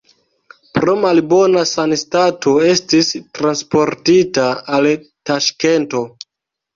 Pro malbona sanstato estis transportita al Taŝkento.